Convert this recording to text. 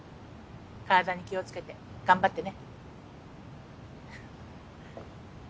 体に気をつけて頑張ってね。